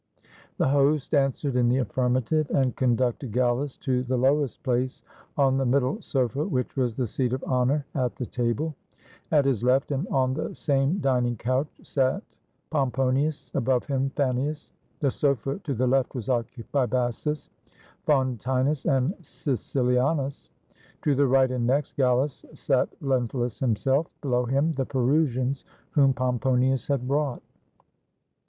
The host answered in the affirmative, and conducted Gallus to the lowest place on the middle sofa, which was the seat of honor at the table. At his left, and on the same dining couch, sat Pomponius; above him, Fan nius. The sofa to the left was occupied by Bassus, Faun tinus, and Caecilianus. To the right, and next Gallus, sat Lentulus himself; below him, the Perusians whom Pomponius had brought.